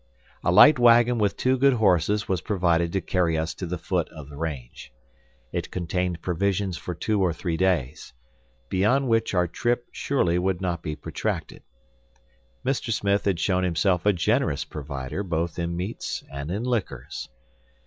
A light wagon with two good horses was provided to carry us to the foot of the range. It contained provisions for two or three days, beyond which our trip surely would not be protracted. Mr. Smith had shown himself a generous provider both in meats and in liquors.